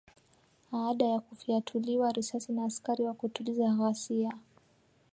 aada ya kufiatuliwa risasi na askari wa kutuliza ghasia